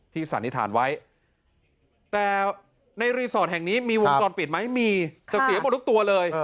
สันนิษฐานไว้แต่ในรีสอร์ทแห่งนี้มีวงจรปิดไหมมีแต่เสียหมดทุกตัวเลย